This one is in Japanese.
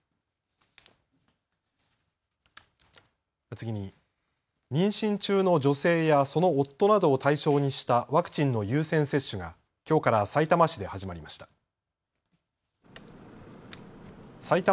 次に、妊娠中の女性や、その夫などを対象にしたワクチンの優先接種がきょうから、さいたま市で始まりました。